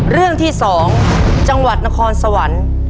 เรื่องที่๒จังหวัดนครสวรรค์